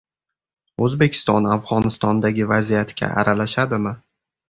O‘zbekiston Afg‘onistondagi vaziyatga aralashadimi?